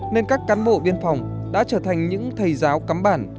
nên các cán bộ biên phòng đã trở thành những thầy giáo cắm bản